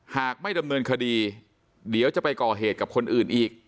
หากไม่ดำเนินคดีเดี๋ยวจะไปก่อเหตุกับคนอื่นอีก